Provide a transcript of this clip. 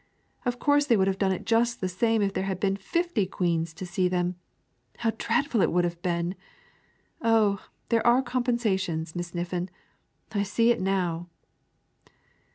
Of course they would have done it just the same if there had been fifty queens to see them! How dreadful it would have been! Oh, there are compensations, Miss Niffin; I see it now."